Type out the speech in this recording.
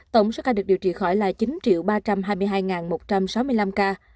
tổng số ca được điều trị khỏi là chín ba trăm hai mươi hai một trăm sáu mươi năm ca